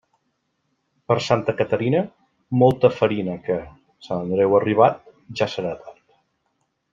Per Santa Caterina, mol ta farina que, Sant Andreu arribat, ja serà tard.